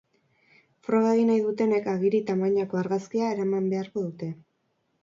Froga egin nahi dutenek agiri tamainako argazkia eraman beharko dute.